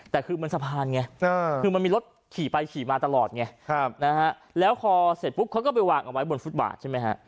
แต่คือมันสะพานไงคือมันมีรถขี่ไปขี่มาตลอดไงแล้วพอเสร็จปุ๊บเขาก็ไปวางเอาไว้บนฟุตบาทใช่ไหมฮะ